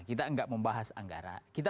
kita nggak membahas anggara